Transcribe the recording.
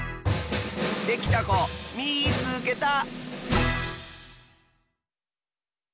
できたこみいつけた！